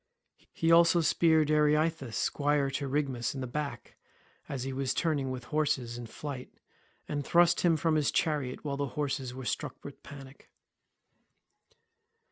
He also speared Areithous squire to Rhigmus in the back as he was turning his horses in flight, and thrust him from his chariot, while the horses were struck with panic.